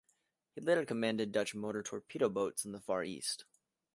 He later commanded Dutch motor torpedo boats in the Far East.